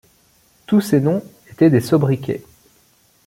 Tous ces noms étaient des sobriquets.